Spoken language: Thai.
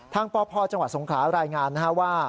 ทางปพจังหวัดสงขารายงานว่า